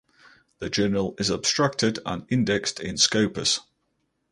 The journal is abstracted and indexed in Scopus.